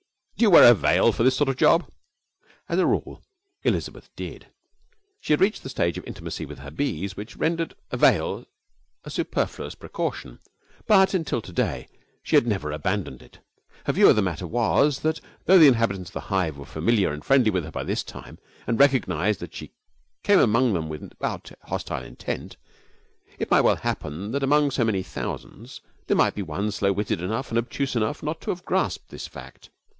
'Don't you wear a veil for this sort of job?' As a rule Elizabeth did. She had reached a stage of intimacy with her bees which rendered a veil a superfluous precaution, but until to day she had never abandoned it. Her view of the matter was that, though the inhabitants of the hives were familiar and friendly with her by this time and recognized that she came among them without hostile intent, it might well happen that among so many thousands there might be one slow witted enough and obtuse enough not to have grasped this fact.